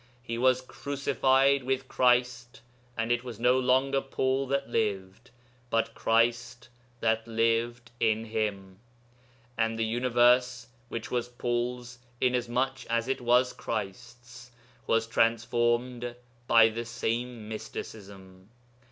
He was 'crucified with Christ,' and it was no longer Paul that lived, but Christ that lived in him. And the universe which was Paul's, inasmuch as it was Christ's was transformed by the same mysticism.